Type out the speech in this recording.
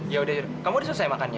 ya udah kamu udah selesai makannya